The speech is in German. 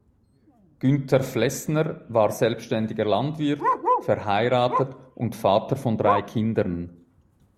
Günter Flessner war selbständiger Landwirt, verheiratet und Vater von drei Kindern.